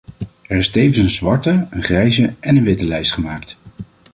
Er is tevens een zwarte, een grijze en een witte lijst gemaakt.